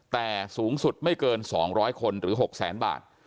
แต่สูงสุดไม่เกิน๒๐๐คนหรือ๖แสนบาท